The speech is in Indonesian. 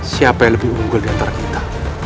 siapa yang lebih unggul diantara kita